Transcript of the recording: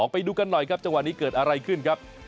ไปดูกันหน่อยครับจังหวะนี้เกิดอะไรขึ้นครับ